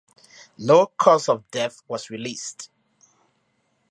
No cause of death was released.